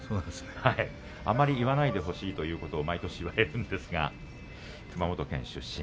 あまり言わないでほしいということ言われたんですが熊本県出身。